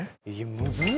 むずっ